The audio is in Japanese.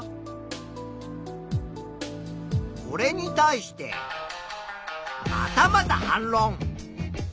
これに対してまたまた反ろん。